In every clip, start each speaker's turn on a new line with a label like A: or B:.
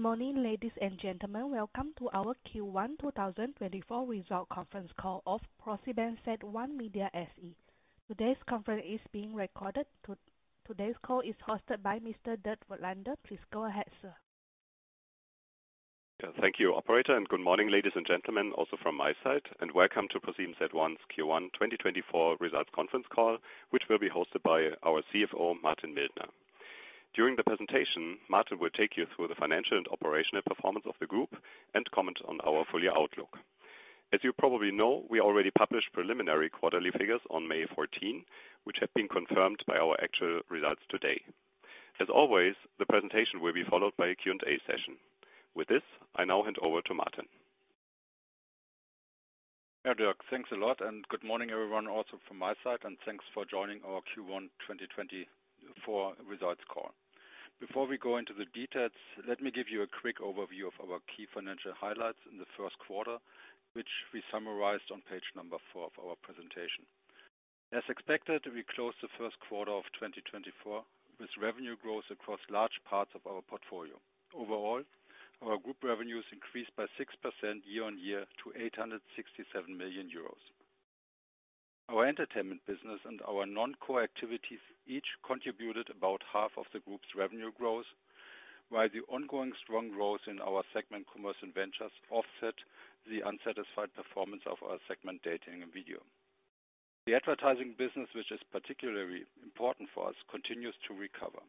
A: Morning, ladies and gentlemen. Welcome to our Q1 2024 Results Conference Call of ProSiebenSat.1 Media SE. Today's conference is being recorded. Today's call is hosted by Mr. Dirk Voigtländer. Please go ahead, sir.
B: Yeah, thank you, operator. And good morning, ladies and gentlemen, also from my side and welcome to ProSiebenSat.1's Q1 2024 Results Conference Call, which will be hosted by our CFO, Martin Mildner. During the presentation, Martin will take you through the financial and operational performance of the group and comment on our full year outlook. As you probably know, we already published preliminary quarterly figures on May 14, which have been confirmed by our actual results today. As always, the presentation will be followed by a Q&A session. With this, I now hand over to Martin.
C: Yeah, Dirk, thanks a lot. Good morning, everyone, also from my side. Thanks for joining our Q1 2024 results call. Before we go into the details, let me give you a quick overview of our key financial highlights in the first quarter, which we summarized on Page 4 of our presentation. As expected, we closed the first quarter of 2024 with revenue growth across large parts of our portfolio. Overall, our group revenues increased by 6% year-over-year to 867 million euros. Our entertainment business and our non-core activities each contributed about half of the group's revenue growth, while the ongoing strong growth in our segment commerce and ventures offset the unsatisfactory performance of our segment dating and video. The advertising business, which is particularly important for us, continues to recover.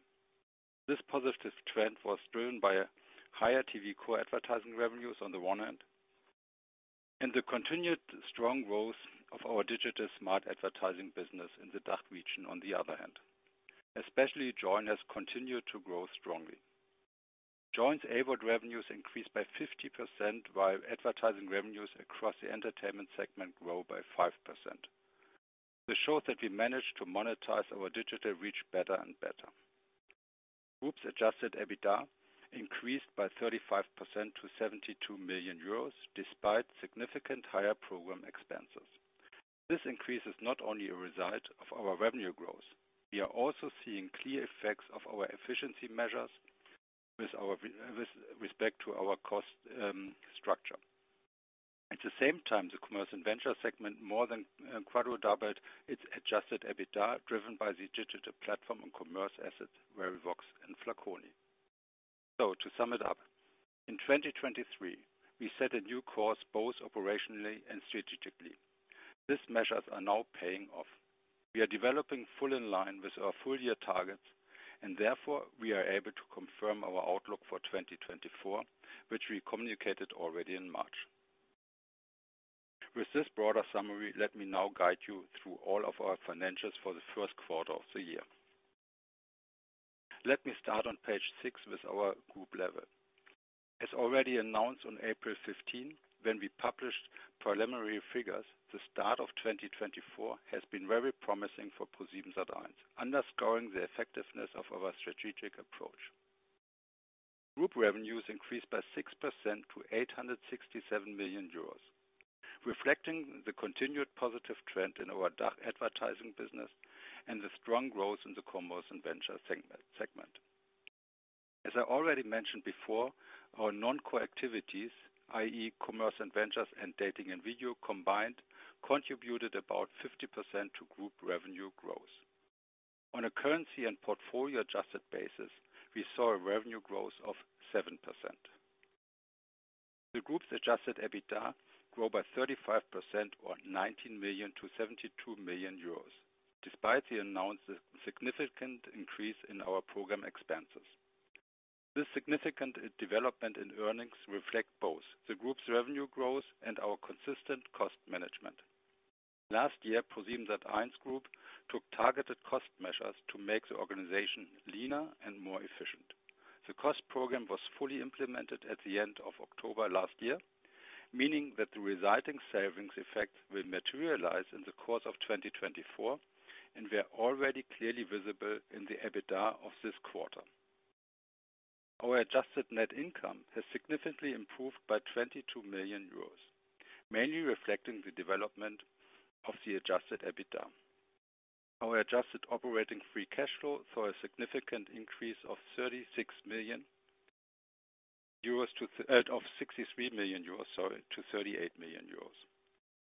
C: This positive trend was driven by higher TV core advertising revenues on the one hand and the continued strong growth of our digital smart advertising business in the DACH region on the other hand. Especially, Joyn has continued to grow strongly. Joyn's AVOD revenues increased by 50%, while advertising revenues across the entertainment segment grew by 5%. This shows that we managed to monetize our digital reach better and better. Group's Adjusted EBITDA increased by 35% to 72 million euros despite significant higher program expenses. This increase is not only a result of our revenue growth. We are also seeing clear effects of our efficiency measures with respect to our cost structure. At the same time, the commerce and venture segment more than quadrupled its Adjusted EBITDA driven by the digital platform and commerce assets, Verivox and Flaconi. To sum it up, in 2023, we set a new course both operationally and strategically. These measures are now paying off. We are developing fully in line with our full year targets, and therefore we are able to confirm our outlook for 2024, which we communicated already in March. With this broader summary, let me now guide you through all of our financials for the first quarter of the year. Let me start on Page 6 with our group level. As already announced on April 15, when we published preliminary figures, the start of 2024 has been very promising for ProSiebenSat.1, underscoring the effectiveness of our strategic approach. Group revenues increased by 6% to 867 million euros, reflecting the continued positive trend in our DACH advertising business and the strong growth in the commerce and venture segment. As I already mentioned before, our non-core activities, i.e., commerce and ventures and dating and video combined, contributed about 50% to group revenue growth. On a currency and portfolio adjusted basis, we saw a revenue growth of 7%. The group's Adjusted EBITDA grew by 35%, or 19 million, to 72 million euros despite the announced significant increase in our program expenses. This significant development in earnings reflects both the group's revenue growth and our consistent cost management. Last year, ProSiebenSat.1's group took targeted cost measures to make the organization leaner and more efficient. The cost program was fully implemented at the end of October last year, meaning that the resulting savings effects will materialize in the course of 2024 and were already clearly visible in the EBITDA of this quarter. Our adjusted net income has significantly improved by 22 million euros, mainly reflecting the development of the Adjusted EBITDA. Our adjusted operating free cash flow saw a significant increase of 63 million euros to 38 million euros.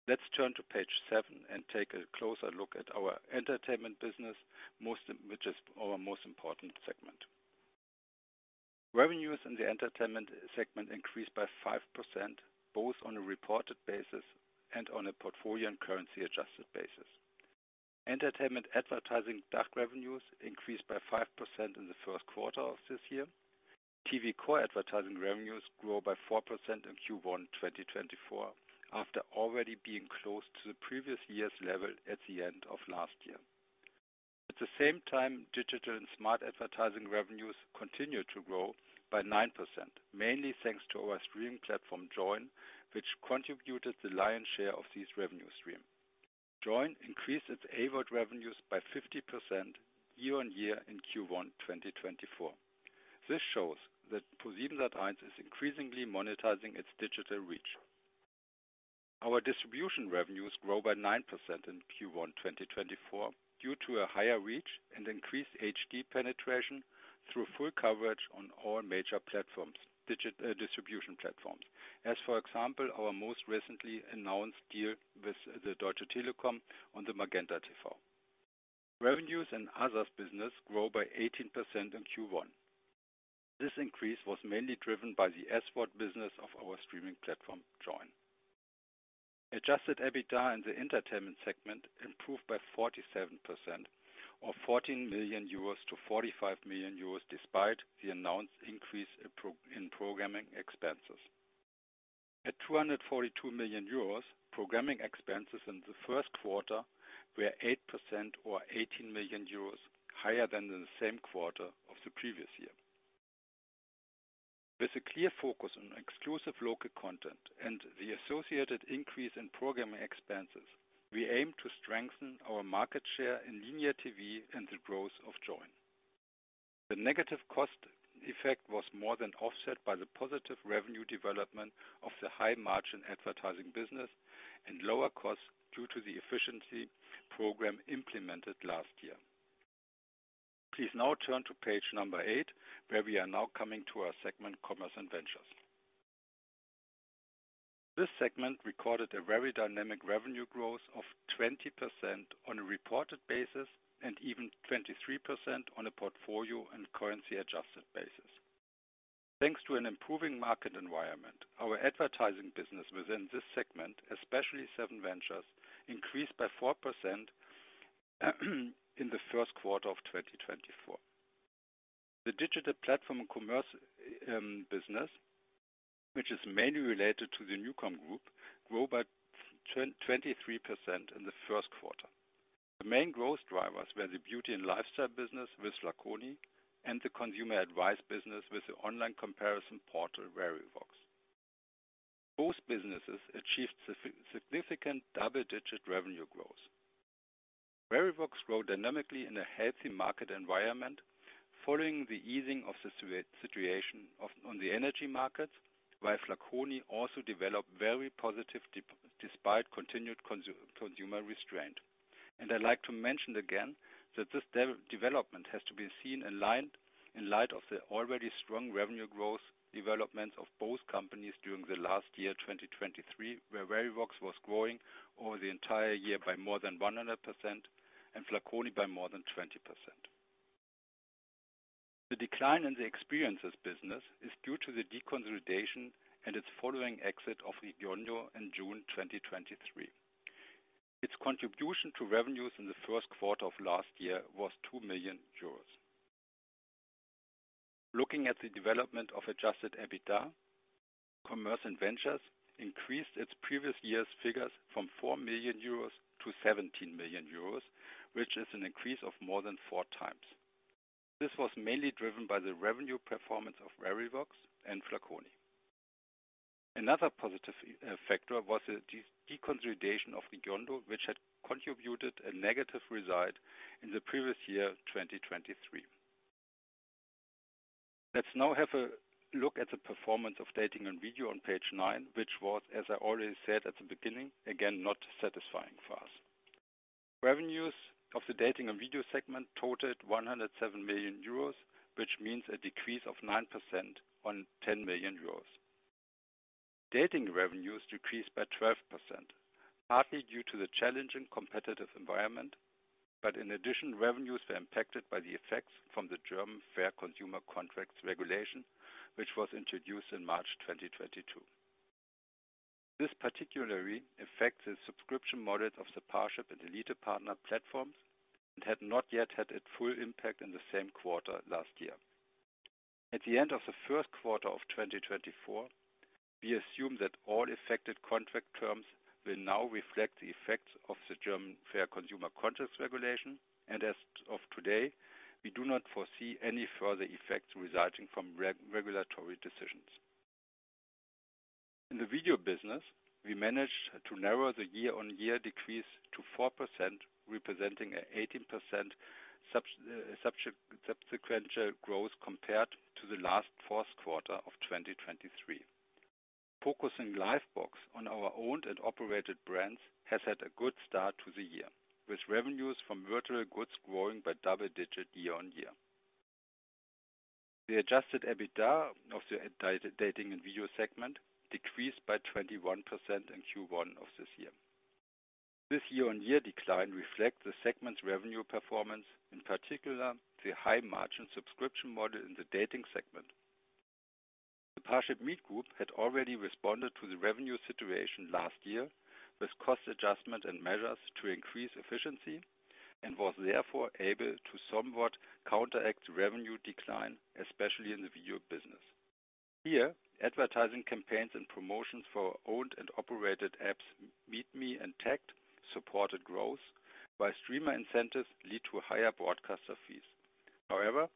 C: Let's turn to Page 7 and take a closer look at our entertainment business, which is our most important segment. Revenues in the entertainment segment increased by 5% both on a reported basis and on a portfolio and currency adjusted basis. Entertainment advertising DACH revenues increased by 5% in the first quarter of this year. TV core advertising revenues grew by 4% in Q1 2024 after already being close to the previous year's level at the end of last year. At the same time, digital and smart advertising revenues continued to grow by 9%, mainly thanks to our streaming platform, Joyn, which contributed the lion's share of these revenue streams. Joyn increased its AVOD revenues by 50% year-over-year in Q1 2024. This shows that ProSiebenSat.1 is increasingly monetizing its digital reach. Our distribution revenues grow by 9% in Q1 2024 due to a higher reach and increased HD penetration through full coverage on all major distribution platforms, as for example, our most recently announced deal with Deutsche Telekom on the MagentaTV. Revenues in AVOD's business grow by 18% in Q1. This increase was mainly driven by the SVOD business of our streaming platform, Joyn. Adjusted EBITDA in the entertainment segment improved by 47%, or 14 million euros to 45 million euros despite the announced increase in programming expenses. At 242 million euros, programming expenses in the first quarter were 8%, or 18 million euros, higher than the same quarter of the previous year. With a clear focus on exclusive local content and the associated increase in programming expenses, we aimed to strengthen our market share in linear TV and the growth of Joyn. The negative cost effect was more than offset by the positive revenue development of the high-margin advertising business and lower costs due to the efficiency program implemented last year. Please now turn to Page 8, where we are now coming to our segment Commerce and Ventures. This segment recorded a very dynamic revenue growth of 20% on a reported basis and even 23% on a portfolio and currency adjusted basis. Thanks to an improving market environment, our advertising business within this segment, especially SevenVentures, increased by 4% in the first quarter of 2024. The digital platform and commerce business, which is mainly related to the NuCom Group, grew by 23% in the first quarter. The main growth drivers were the beauty and lifestyle business with Flaconi and the consumer advice business with the online comparison portal, Verivox. Both businesses achieved significant double-digit revenue growth. Verivox grew dynamically in a healthy market environment following the easing of the situation on the energy markets, while Flaconi also developed very positive despite continued consumer restraint. I'd like to mention again that this development has to be seen in light of the already strong revenue growth developments of both companies during the last year, 2023, where Verivox was growing over the entire year by more than 100% and Flaconi by more than 20%. The decline in the experiences business is due to the deconsolidation and its following exit of Regiondo in June 2023. Its contribution to revenues in the first quarter of last year was 2 million euros. Looking at the development of adjusted EBITDA, commerce and ventures increased its previous year's figures from 4 million euros to 17 million euros, which is an increase of more than four times. This was mainly driven by the revenue performance of Verivox and Flaconi. Another positive factor was the deconsolidation of Regiondo, which had contributed a negative result in the previous year, 2023. Let's now have a look at the performance of dating and video on Page 9, which was, as I already said at the beginning, again not satisfying for us. Revenues of the dating and video segment totaled 107 million euros, which means a decrease of 9% on 10 million euros. Dating revenues decreased by 12%, partly due to the challenging competitive environment. But in addition, revenues were impacted by the effects from the German Fair Consumer Contracts regulation, which was introduced in March 2022. This particularly affects the subscription models of the Parship and ElitePartner platforms and had not yet had its full impact in the same quarter last year. At the end of the first quarter of 2024, we assume that all affected contract terms will now reflect the effects of the German Fair Consumer Contracts regulation. As of today, we do not foresee any further effects resulting from regulatory decisions. In the video business, we managed to narrow the year-on-year decrease to 4%, representing an 18% sequential growth compared to the last fourth quarter of 2023. Focusing Livebox on our owned and operated brands has had a good start to the year, with revenues from virtual goods growing by double digit year-on-year. The Adjusted EBITDA of the dating and video segment decreased by 21% in Q1 of this year. This year-on-year decline reflects the segment's revenue performance, in particular the high-margin subscription model in the dating segment. The ParshipMeet Group had already responded to the revenue situation last year with cost adjustment and measures to increase efficiency and was therefore able to somewhat counteract the revenue decline, especially in the video business. Here, advertising campaigns and promotions for owned and operated apps, MeetMe and Tagged, supported growth, while streamer incentives lead to higher broadcaster fees. However,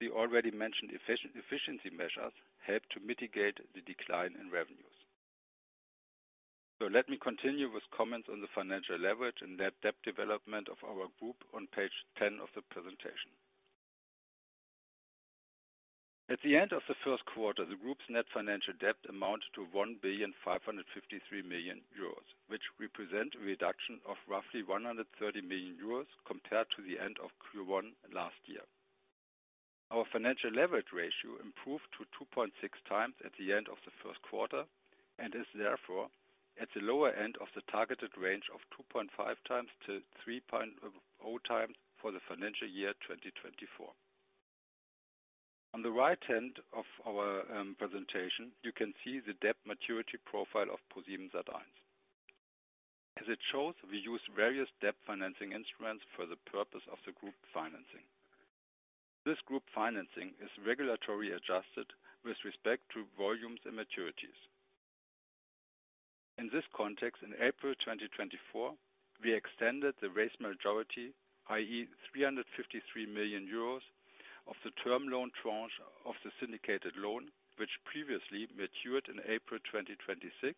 C: the already mentioned efficiency measures helped to mitigate the decline in revenues. So let me continue with comments on the financial leverage and net debt development of our group on Page 10 of the presentation. At the end of the first quarter, the group's net financial debt amounted to 1.553 billion euros, which represents a reduction of roughly 130 million euros compared to the end of Q1 last year. Our financial leverage ratio improved to 2.6x at the end of the first quarter and is therefore at the lower end of the targeted range of 2.5x-3.0x for the financial year 2024. On the right hand of our presentation, you can see the debt maturity profile of ProSiebenSat.1. As it shows, we use various debt financing instruments for the purpose of the group financing. This group financing is regulatory adjusted with respect to volumes and maturities. In this context, in April 2024, we extended the maturity, i.e., 353 million euros of the term loan tranche of the syndicated loan, which previously matured in April 2026,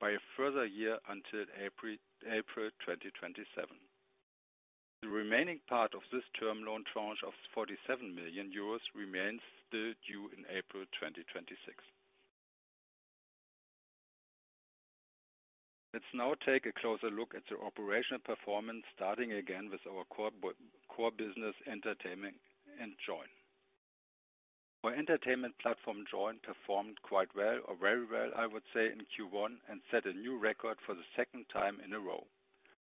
C: by a further year until April 2027. The remaining part of this term loan tranche of 47 million euros remains still due in April 2026. Let's now take a closer look at the operational performance, starting again with our core business, entertainment, and Joyn. Our entertainment platform, Joyn, performed quite well, or very well, I would say, in Q1 and set a new record for the second time in a row.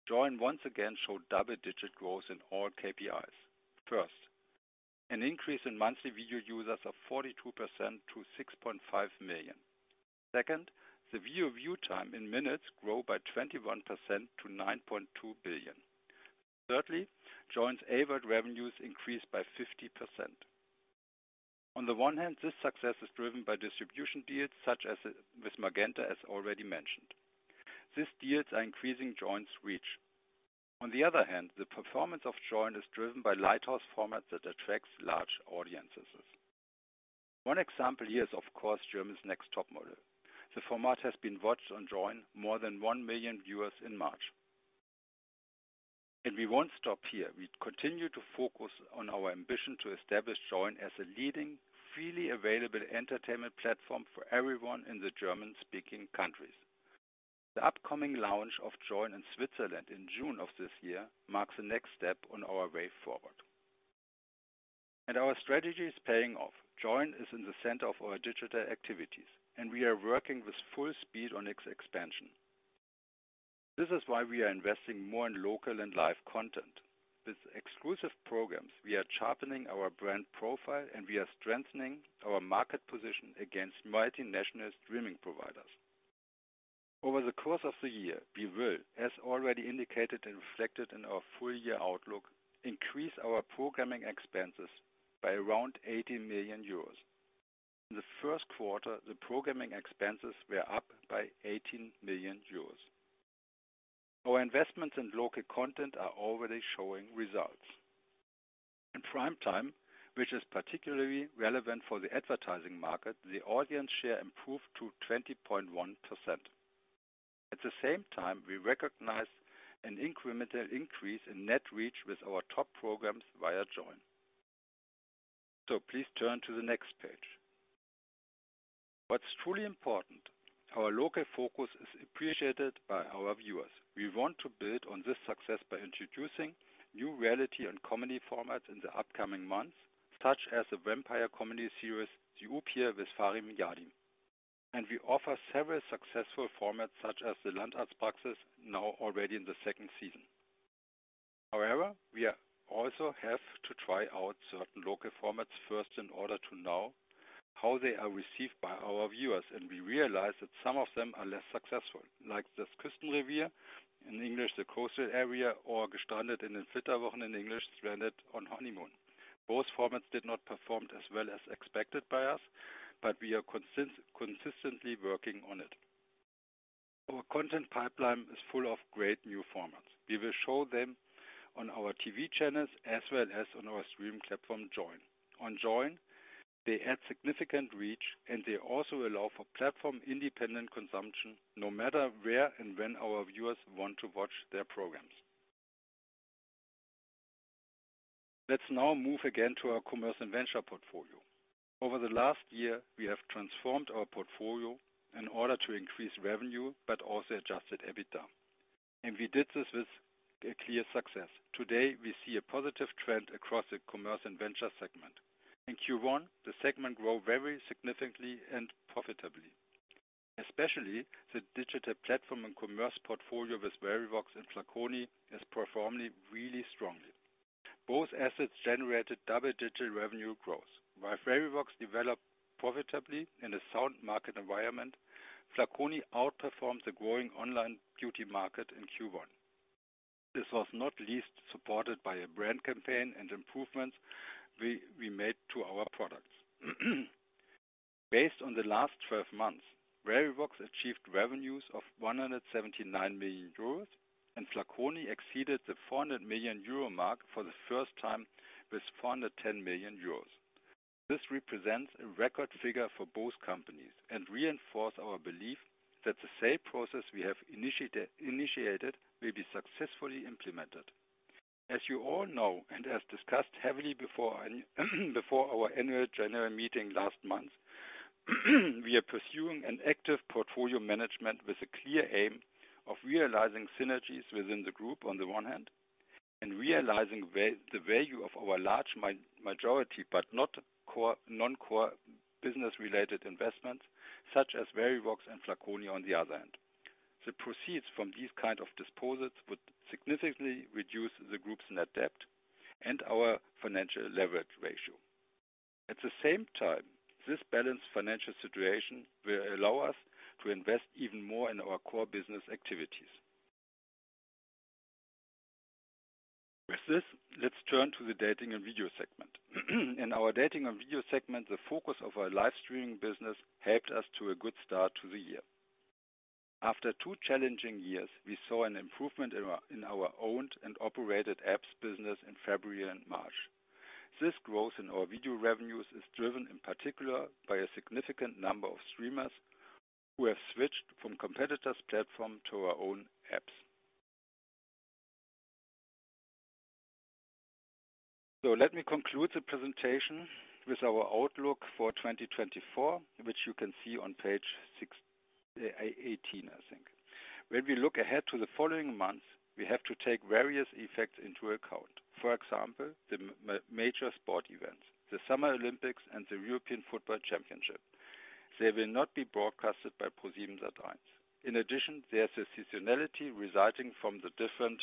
C: Joyn once again showed double-digit growth in all KPIs. First, an increase in monthly video users of 42% to 6.5 million. Second, the video view time in minutes grew by 21% to 9.2 billion. Thirdly, Joyn's AVOD revenues increased by 50%. On the one hand, this success is driven by distribution deals, such as with Magenta, as already mentioned. These deals are increasing Joyn's reach. On the other hand, the performance of Joyn is driven by lighthouse formats that attract large audiences. One example here is, of course, Germany's Next Topmodel. The format has been watched on Joyn more than 1 million viewers in March. We won't stop here. We continue to focus on our ambition to establish Joyn as a leading, freely available entertainment platform for everyone in the German-speaking countries. The upcoming launch of Joyn in Switzerland in June of this year marks the next step on our way forward. Our strategy is paying off. Joyn is in the center of our digital activities, and we are working with full speed on its expansion. This is why we are investing more in local and live content. With exclusive programs, we are sharpening our brand profile, and we are strengthening our market position against multinational streaming providers. Over the course of the year, we will, as already indicated and reflected in our full-year outlook, increase our programming expenses by around 80 million euros. In the first quarter, the programming expenses were up by 18 million euros. Our investments in local content are already showing results. In prime time, which is particularly relevant for the advertising market, the audience share improved to 20.1%. At the same time, we recognized an incremental increase in net reach with our top programs via Joyn. So please turn to the next page. What's truly important: our local focus is appreciated by our viewers. We want to build on this success by introducing new reality and comedy formats in the upcoming months, such as the vampire comedy series, Der Upir with Fahri Yardim. We offer several successful formats, such as Die Landarztpraxis, now already in the second season. However, we also have to try out certain local formats first in order to know how they are received by our viewers, and we realize that some of them are less successful, like Das Küstenrevier, in English, the coastal area, or Gestrandet in den Flitterwochen, in English, Stranded on Honeymoon. Both formats did not perform as well as expected by us, but we are consistently working on it. Our content pipeline is full of great new formats. We will show them on our TV channels as well as on our streaming platform, Joyn. On Joyn, they add significant reach, and they also allow for platform-independent consumption no matter where and when our viewers want to watch their programs. Let's now move again to our commerce and venture portfolio. Over the last year, we have transformed our portfolio in order to increase revenue but also Adjusted EBITDA. We did this with a clear success. Today, we see a positive trend across the commerce and venture segment. In Q1, the segment grew very significantly and profitably. Especially, the digital platform and commerce portfolio with Verivox and Flaconi is performing really strongly. Both assets generated double-digit revenue growth. While Verivox developed profitably in a sound market environment, Flaconi outperformed the growing online beauty market in Q1. This was not least supported by a brand campaign and improvements we made to our products. Based on the last 12 months, Verivox achieved revenues of 179 million euros and Flaconi exceeded the 400 million euro mark for the first time with 410 million euros. This represents a record figure for both companies and reinforces our belief that the sale process we have initiated will be successfully implemented. As you all know and as discussed heavily before our annual general meeting last month, we are pursuing an active portfolio management with a clear aim of realizing synergies within the group on the one hand and realizing the value of our large majority but non-core business-related investments, such as Verivox and Flaconi on the other hand. The proceeds from these kinds of disposals would significantly reduce the group's net debt and our financial leverage ratio. At the same time, this balanced financial situation will allow us to invest even more in our core business activities. With this, let's turn to the dating and video segment. In our dating and video segment, the focus of our live streaming business helped us to a good start to the year. After two challenging years, we saw an improvement in our owned and operated apps business in February and March. This growth in our video revenues is driven, in particular, by a significant number of streamers who have switched from competitors' platforms to our own apps. So let me conclude the presentation with our outlook for 2024, which you can see on Page 18, I think. When we look ahead to the following months, we have to take various effects into account. For example, the major sport events, the Summer Olympics, and the European Football Championship. They will not be broadcasted by ProSiebenSat.1. In addition, there's a seasonality resulting from the different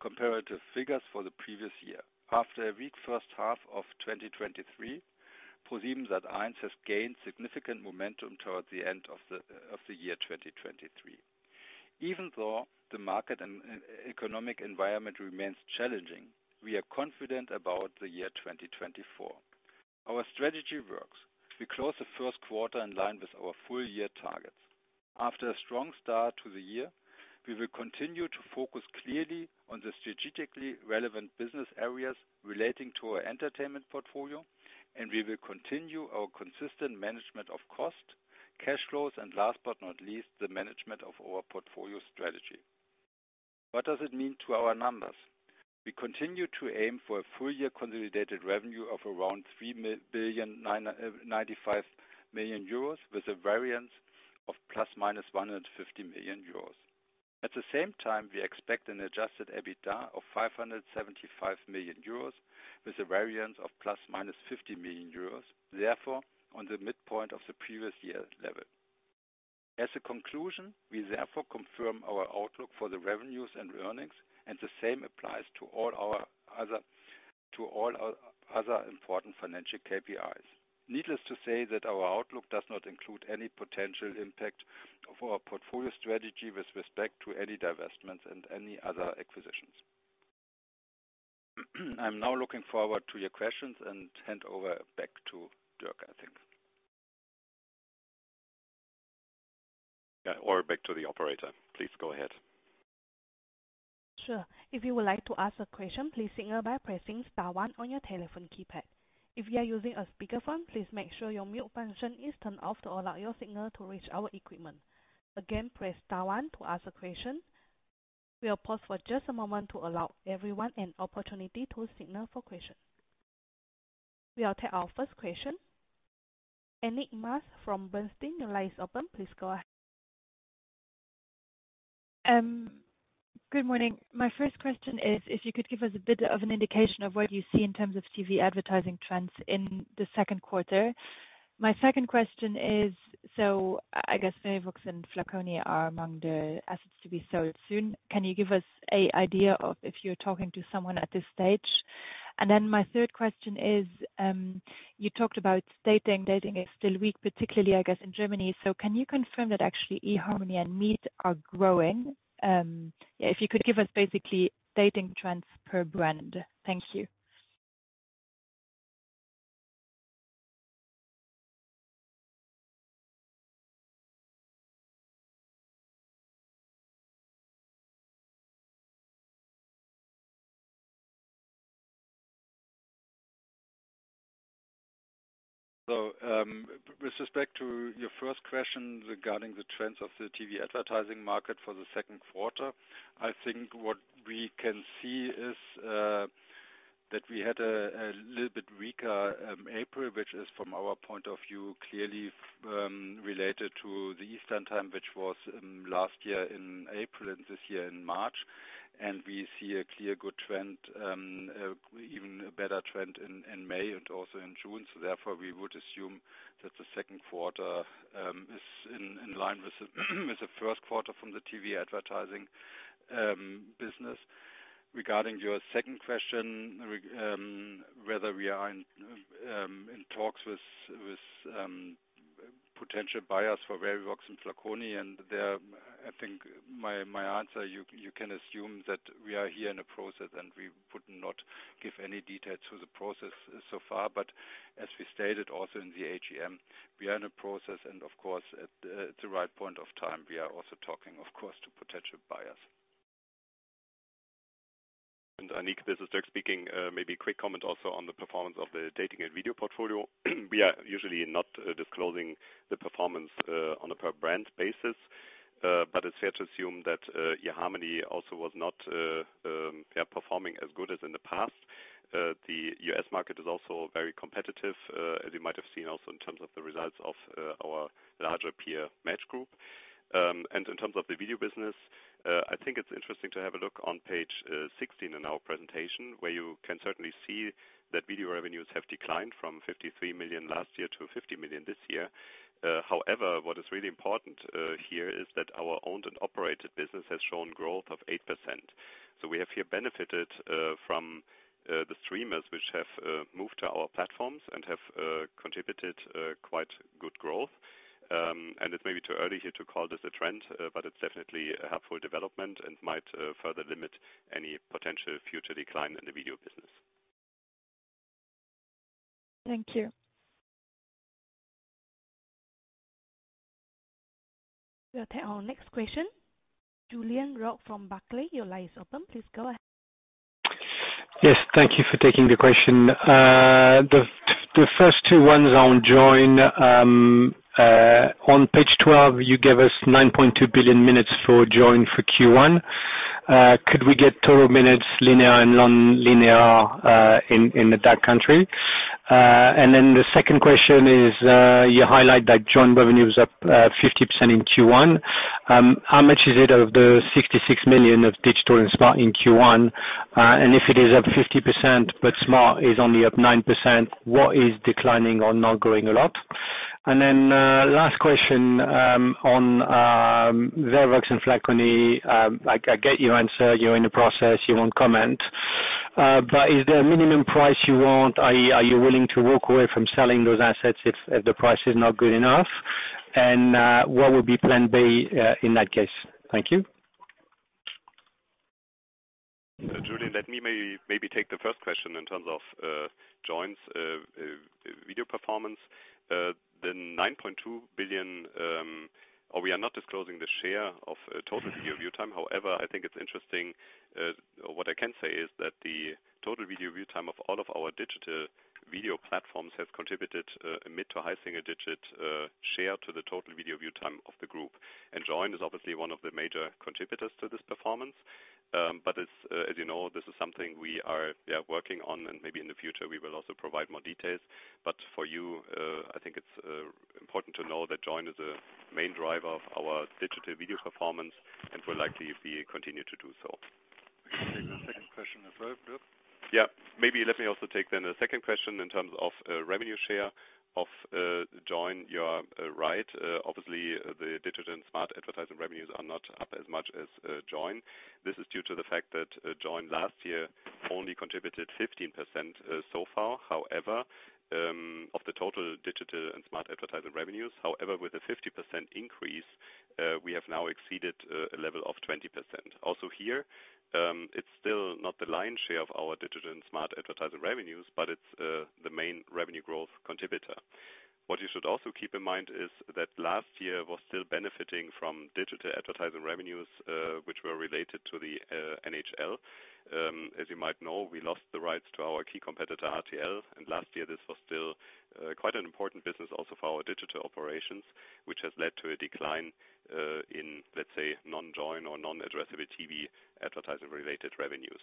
C: comparative figures for the previous year. After a weak first half of 2023, ProSiebenSat.1 has gained significant momentum towards the end of the year 2023. Even though the market and economic environment remains challenging, we are confident about the year 2024. Our strategy works. We close the first quarter in line with our full-year targets. After a strong start to the year, we will continue to focus clearly on the strategically relevant business areas relating to our entertainment portfolio, and we will continue our consistent management of cost, cash flows, and last but not least, the management of our portfolio strategy. What does it mean to our numbers? We continue to aim for a full-year consolidated revenue of around 3.095 billion euros with a variance of ±150 million euros. At the same time, we expect an adjusted EBITDA of 575 million euros with a variance of ±50 million euros, therefore on the midpoint of the previous year level. As a conclusion, we therefore confirm our outlook for the revenues and earnings, and the same applies to all our other important financial KPIs. Needless to say that our outlook does not include any potential impact of our portfolio strategy with respect to any divestments and any other acquisitions. I'm now looking forward to your questions and hand over back to Dirk, I think.
B: Yeah, or back to the operator. Please go ahead.
A: Sure. If you would like to ask a question, please signal by pressing star one on your telephone keypad. If you are using a speakerphone, please make sure your mute function is turned off to allow your signal to reach our equipment. Again, press star one to ask a question. We will pause for just a moment to allow everyone an opportunity to signal for questions. We will take our first question. Annick Maas from Bernstein, please go ahead. Good morning.
D: My first question is if you could give us a bit of an indication of what you see in terms of TV advertising trends in the second quarter. My second question is so I guess Verivox and Flaconi are among the assets to be sold soon. Can you give us a idea of if you're talking to someone at this stage? And then my third question is you talked about dating. Dating is still weak, particularly, I guess, in Germany. So can you confirm that actually eHarmony and Meet are growing? Yeah, if you could give us basically dating trends per brand. Thank you.
B: So with respect to your first question regarding the trends of the TV advertising market for the second quarter, I think what we can see is that we had a little bit weaker April, which is from our point of view clearly related to the Easter time, which was last year in April and this year in March. We see a clear good trend, even a better trend in May and also in June. So therefore, we would assume that the second quarter is in line with the first quarter from the TV advertising business. Regarding your second question, whether we are in talks with potential buyers for Verivox and Flaconi, and I think my answer, you can assume that we are here in a process, and we would not give any details to the process so far.
C: But as we stated also in the AGM, we are in a process, and of course, at the right point of time, we are also talking, of course, to potential buyers. And Enig, this is Dirk speaking. Maybe a quick comment also on the performance of the dating and video portfolio. We are usually not disclosing the performance on a per-brand basis, but it's fair to assume that eHarmony also was not performing as good as in the past. The U.S. market is also very competitive, as you might have seen also in terms of the results of our larger peer Match Group. And in terms of the video business, I think it's interesting to have a look on page 16 in our presentation, where you can certainly see that video revenues have declined from 53 million last year to 50 million this year. However, what is really important here is that our owned and operated business has shown growth of 8%. So we have here benefited from the streamers, which have moved to our platforms and have contributed quite good growth. And it's maybe too early here to call this a trend, but it's definitely a helpful development and might further limit any potential future decline in the video business.
A: Thank you. We will take our next question. Julien Roch from Barclays, your line is open. Please go ahead.
E: Yes. Thank you for taking the question. The first two ones on Joyn. On page 12, you gave us 9.2 billion minutes for Joyn for Q1. Could we get total minutes linear and non-linear in the DACH country? And then the second question is you highlight that Joyn revenue is up 50% in Q1.
F: How much is it of the 66 million of Digital and Smart in Q1? And if it is up 50% but Smart is only up 9%, what is declining or not growing a lot? And then last question on Verivox and Flaconi. I get your answer. You're in the process. You won't comment. But is there a minimum price you want? Are you willing to walk away from selling those assets if the price is not good enough? And what would be plan B in that case? Thank you. Julien, let me maybe take the first question in terms of Joyn's video performance. The 9.2 billion or we are not disclosing the share of total video viewtime. However, I think it's interesting. What I can say is that the total video viewtime of all of our digital video platforms has contributed a mid to high single-digit share to the total video viewtime of the group. Joyn is obviously one of the major contributors to this performance. But as you know, this is something we are working on, and maybe in the future, we will also provide more details. But for you, I think it's important to know that Joyn is a main driver of our digital video performance, and will likely continue to do so.
E: Can you take the second question as well, Dirk?
B: Yeah. Maybe let me also take then the second question in terms of revenue share of Joyn. You are right. Obviously, the digital and smart advertising revenues are not up as much as Joyn. This is due to the fact that Joyn last year only contributed 15% so far. However, of the total digital and smart advertising revenues, however, with a 50% increase, we have now exceeded a level of 20%. Also here, it's still not the lion's share of our digital and smart advertising revenues, but it's the main revenue growth contributor. What you should also keep in mind is that last year was still benefiting from digital advertising revenues, which were related to the NHL. As you might know, we lost the rights to our key competitor, RTL. And last year, this was still quite an important business also for our digital operations, which has led to a decline in, let's say, non-Joyn or non-addressable TV advertising-related revenues.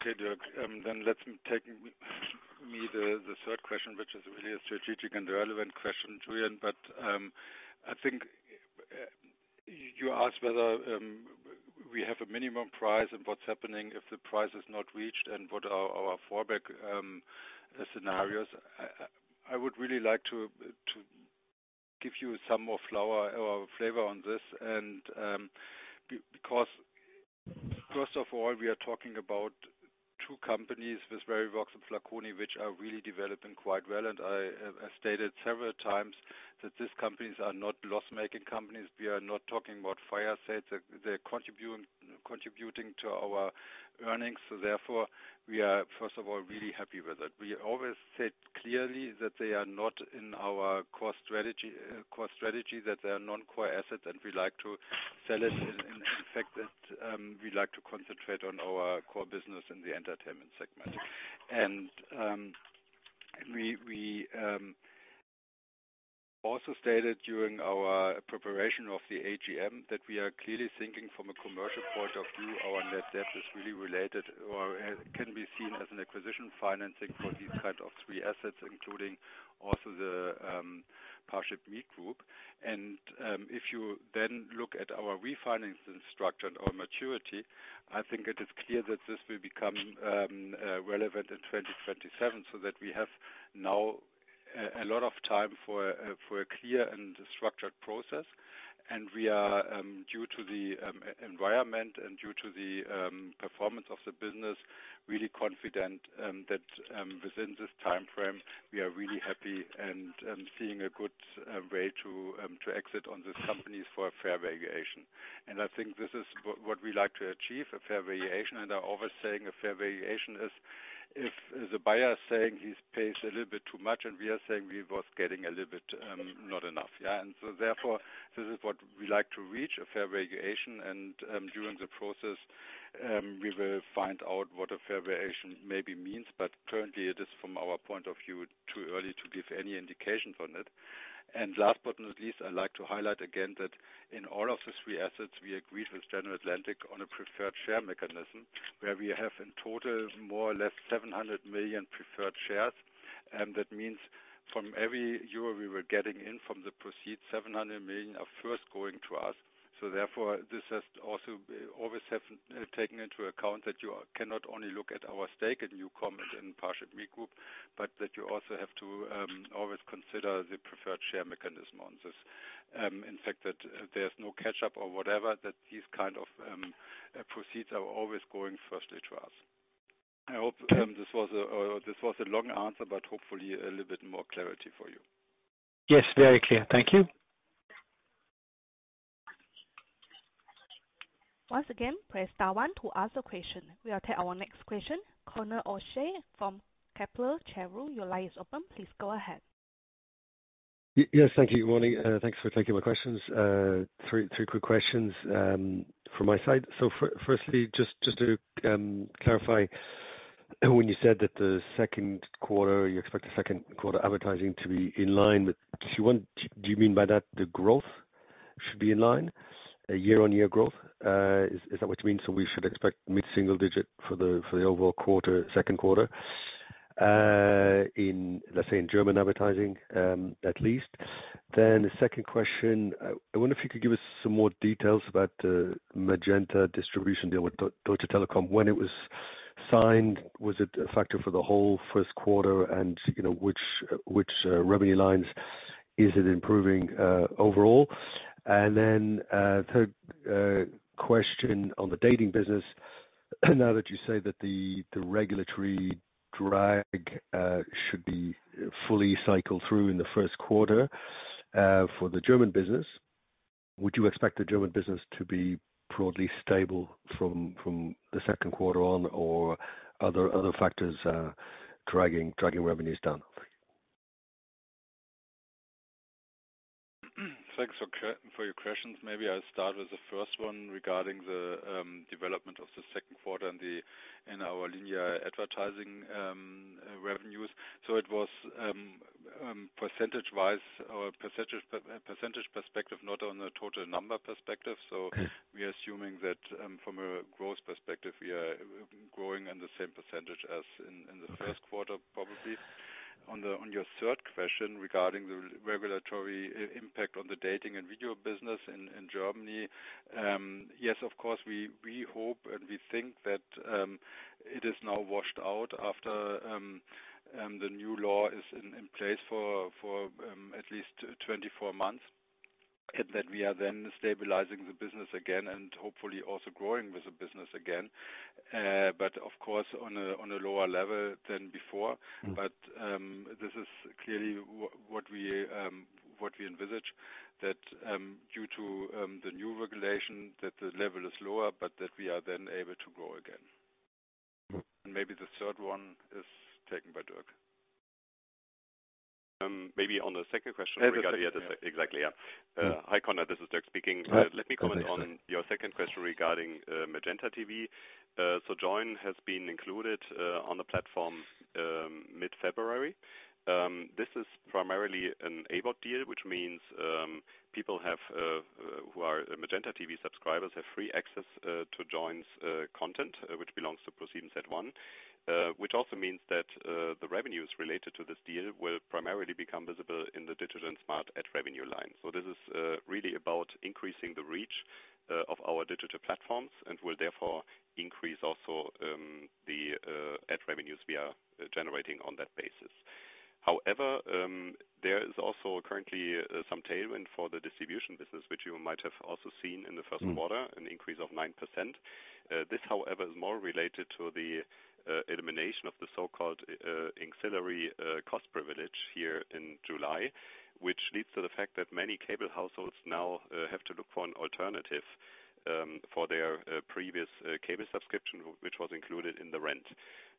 B: Okay, Dirk. Then let me take the third question, which is really a strategic and relevant question, Julien. But I think you asked whether we have a minimum price and what's happening if the price is not reached and what are our fallback scenarios. I would really like to give you some more flavor on this. And because first of all, we are talking about two companies with Verivox and Flaconi, which are really developing quite well. And I stated several times that these companies are not loss-making companies. We are not talking about fire sales. They're contributing to our earnings. So therefore, we are, first of all, really happy with it. We always said clearly that they are not in our core strategy, that they are non-core assets, and we like to sell it. In fact, we like to concentrate on our core business in the entertainment segment. We also stated during our preparation of the AGM that we are clearly thinking from a commercial point of view. Our net debt is really related or can be seen as an acquisition financing for these kinds of three assets, including also the ParshipMeet Group. If you then look at our refinancing structure and our maturity, I think it is clear that this will become relevant in 2027 so that we have now a lot of time for a clear and structured process. We are, due to the environment and due to the performance of the business, really confident that within this time frame, we are really happy and seeing a good way to exit on these companies for a fair valuation. I think this is what we like to achieve, a fair valuation. I always saying a fair valuation is if the buyer is saying he pays a little bit too much, and we are saying he was getting a little bit not enough. Yeah? So therefore, this is what we like to reach, a fair valuation. And during the process, we will find out what a fair valuation maybe means. But currently, it is from our point of view too early to give any indications on it. And last but not least, I'd like to highlight again that in all of the three assets, we agreed with General Atlantic on a preferred share mechanism where we have in total more or less 700 million preferred shares. That means from every euro we were getting in from the proceeds, 700 million are first going to us. So therefore, this has also always taken into account that you cannot only look at our stake at NuCom and ParshipMeet Group, but that you also have to always consider the preferred share mechanism on this. In fact, that there's no catch-up or whatever, that these kind of proceeds are always going firstly to us. I hope this was a long answer, but hopefully a little bit more clarity for you.
E: Yes, very clear. Thank you.
A: Once again, press star 1 to ask a question. We will take our next question. Conor O'Shea from Kepler Cheuvreux, your line is open. Please go ahead.
G: Yes. Thank you. Good morning. Thanks for taking my questions. Three quick questions from my side. So firstly, just to clarify, when you said that the second quarter, you expect the second quarter advertising to be in line with Q1, do you mean by that the growth should be in line, year-on-year growth? Is that what you mean? So we should expect mid-single digit for the overall quarter, second quarter, let's say, in German advertising at least. Then the second question, I wonder if you could give us some more details about the Magenta distribution deal with Deutsche Telekom. When it was signed, was it a factor for the whole first quarter, and which revenue lines is it improving overall?
C: And then third question on the dating business, now that you say that the regulatory drag should be fully cycled through in the first quarter for the German business, would you expect the German business to be broadly stable from the second quarter on or other factors dragging revenues down? Thanks for your questions. Maybe I'll start with the first one regarding the development of the second quarter and our linear advertising revenues. So it was percentage-wise or percentage perspective, not on a total number perspective. So we are assuming that from a growth perspective, we are growing in the same percentage as in the first quarter, probably. On your third question regarding the regulatory impact on the dating and video business in Germany, yes, of course, we hope and we think that it is now washed out after the new law is in place for at least 24 months and that we are then stabilizing the business again and hopefully also growing with the business again. But of course, on a lower level than before. But this is clearly what we envisage, that due to the new regulation, that the level is lower, but that we are then able to grow again. And maybe the third one is taken by Dirk. Maybe on the second question regarding the exactly.
B: Yeah. Hi, Conor. This is Dirk speaking. Let me comment on your second question regarding MagentaTV. So Joyn has been included on the platform mid-February. This is primarily an AVOD deal, which means people who are MagentaTV subscribers have free access to Joyn's content, which belongs to ProSiebenSat.1, which also means that the revenues related to this deal will primarily become visible in the digital and streaming ad revenue lines. So this is really about increasing the reach of our digital platforms and will therefore increase also the ad revenues we are generating on that basis. However, there is also currently some tailwind for the distribution business, which you might have also seen in the first quarter, an increase of 9%. This, however, is more related to the elimination of the so-called ancillary cost privilege here in July, which leads to the fact that many cable households now have to look for an alternative for their previous cable subscription, which was included in the rent.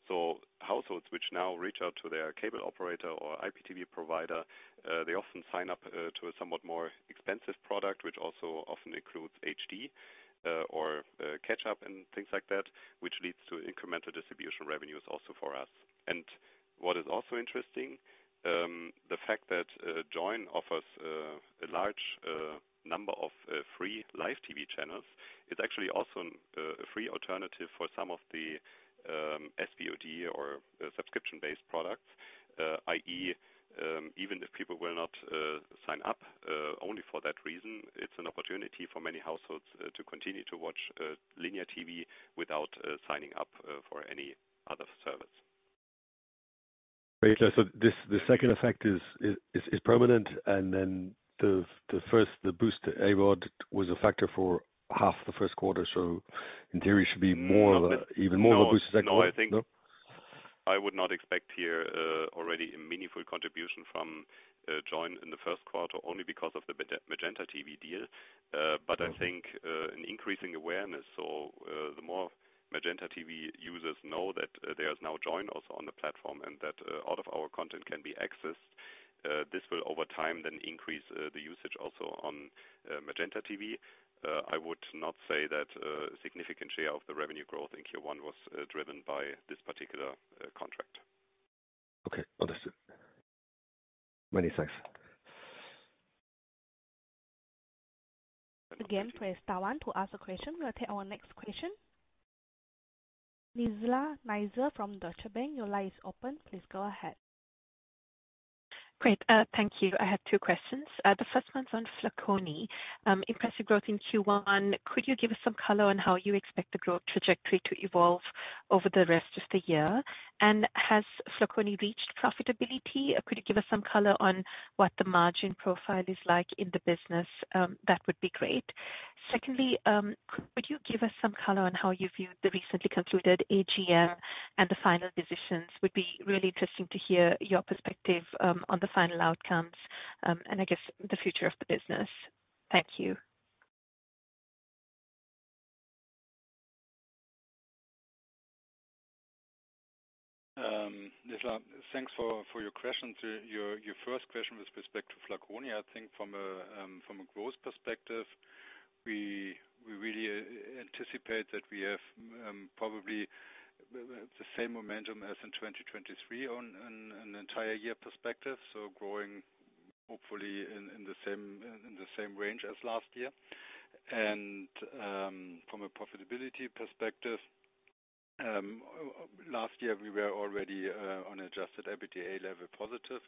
B: So households which now reach out to their cable operator or IPTV provider, they often sign up to a somewhat more expensive product, which also often includes HD or catch-up and things like that, which leads to incremental distribution revenues also for us. And what is also interesting, the fact that Joyn offers a large number of free live TV channels, it's actually also a free alternative for some of the SVOD or subscription-based products, i.e., even if people will not sign up only for that reason, it's an opportunity for many households to continue to watch linear TV without signing up for any other service. Great. So the second effect is permanent. And then the first, the boost, AVOD was a factor for half the first quarter. So in theory, it should be even more of a boost to second quarter. No. I think I would not expect here already a meaningful contribution from Joyn in the first quarter only because of the MagentaTV deal. But I think an increasing awareness, so the more MagentaTV users know that there is now Joyn also on the platform and that all of our content can be accessed, this will over time then increase the usage also on MagentaTV. I would not say that a significant share of the revenue growth in Q1 was driven by this particular contract.
G: Okay. Understood. Many thanks.
A: Again, press star one to ask a question. We will take our next question. Nizla Naizer from Deutsche Bank, your line is open. Please go ahead.
H: Great. Thank you. I have two questions. The first one's on Flaconi. Impressive growth in Q1. Could you give us some color on how you expect the growth trajectory to evolve over the rest of the year? And has Flaconi reached profitability? Could you give us some color on what the margin profile is like in the business? That would be great. Secondly, could you give us some color on how you view the recently concluded AGM and the final decisions? It would be really interesting to hear your perspective on the final outcomes and, I guess, the future of the business.
C: Thank you. Nizla, thanks for your questions. Your first question with respect to Flaconi, I think from a growth perspective, we really anticipate that we have probably the same momentum as in 2023 on an entire year perspective, so growing hopefully in the same range as last year. And from a profitability perspective, last year, we were already on adjusted EBITDA level positive.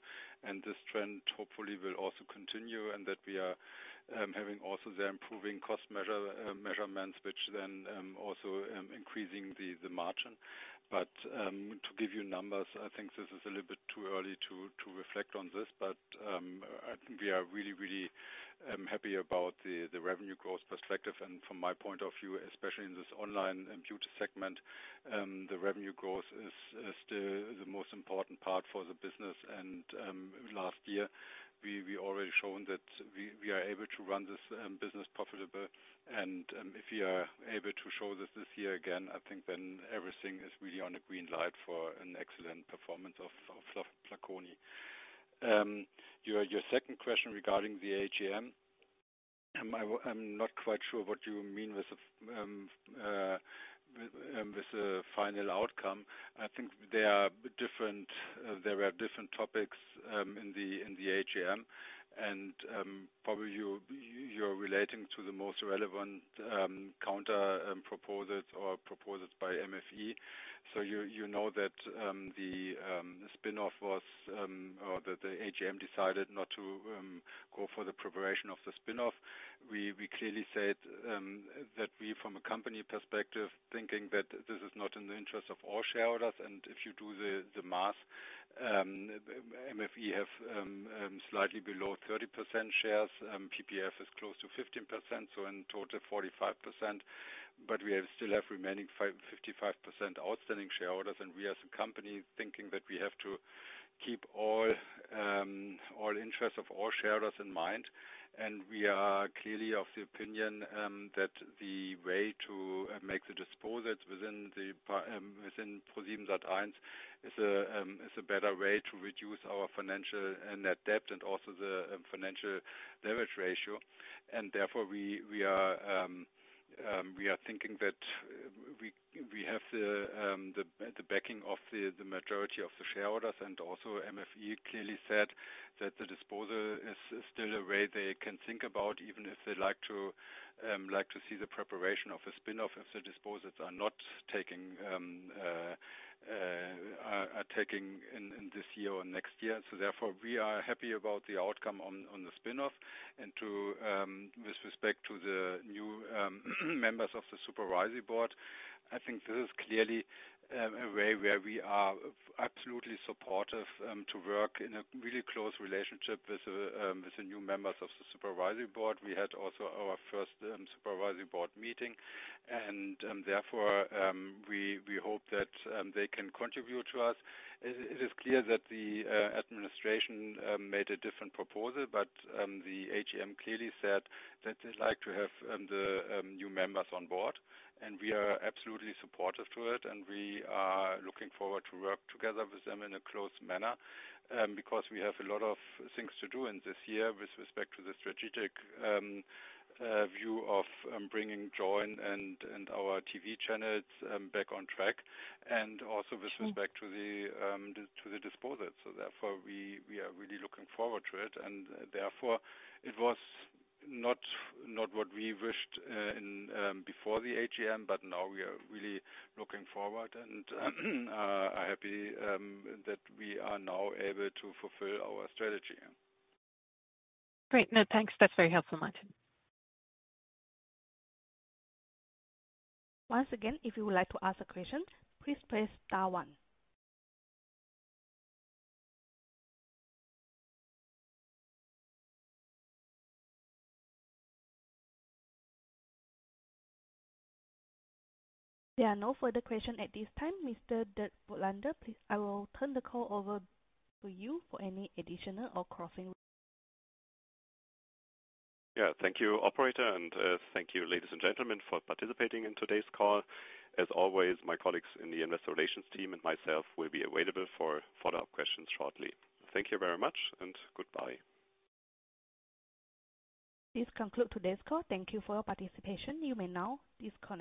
C: And this trend hopefully will also continue and that we are having also there improving cost measurements, which then also increasing the margin. But to give you numbers, I think this is a little bit too early to reflect on this. But I think we are really, really happy about the revenue growth perspective. And from my point of view, especially in this online computer segment, the revenue growth is still the most important part for the business. And last year, we already shown that we are able to run this business profitable. And if we are able to show this this year again, I think then everything is really on a green light for an excellent performance of Flaconi. Your second question regarding the AGM, I'm not quite sure what you mean with the final outcome. I think there are different topics in the AGM. Probably you're relating to the most relevant counter proposals or proposals by MFE. You know that the spinoff was or that the AGM decided not to go for the preparation of the spinoff. We clearly said that we, from a company perspective, thinking that this is not in the interest of all shareholders. If you do the math, MFE have slightly below 30% shares. PPF is close to 15%, so in total, 45%. But we still have remaining 55% outstanding shareholders. And we as a company thinking that we have to keep all interests of all shareholders in mind. And we are clearly of the opinion that the way to make the disposals within ProSiebenSat.1 is a better way to reduce our net financial debt and also the financial leverage ratio. Therefore, we are thinking that we have the backing of the majority of the shareholders. Also, MFE clearly said that the disposal is still a way they can think about even if they'd like to see the preparation of a spinoff if the disposals are not taking in this year or next year. Therefore, we are happy about the outcome on the spinoff. With respect to the new members of the supervisory board, I think this is clearly a way where we are absolutely supportive to work in a really close relationship with the new members of the supervisory board. We had also our first supervisory board meeting. Therefore, we hope that they can contribute to us. It is clear that the administration made a different proposal, but the AGM clearly said that they'd like to have the new members on board. And we are absolutely supportive to it. And we are looking forward to work together with them in a close manner because we have a lot of things to do in this year with respect to the strategic view of bringing Joyn and our TV channels back on track and also with respect to the disposals. So therefore, we are really looking forward to it. And therefore, it was not what we wished before the AGM, but now we are really looking forward. And I'm happy that we are now able to fulfill our strategy.
H: Great. No, thanks. That's very helpful, Martin.
A: Once again, if you would like to ask a question, please press star one. There are no further questions at this time. Mr. Dirk Voigtländer, I will turn the call over to you for any additional or closing. Yeah. Thank you, operator.
B: Thank you, ladies and gentlemen, for participating in today's call. As always, my colleagues in the investor relations team and myself will be available for follow-up questions shortly. Thank you very much, and goodbye.
A: This concludes today's call. Thank you for your participation. You may now disconnect.